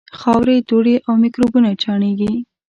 خاورې، دوړې او میکروبونه چاڼېږي.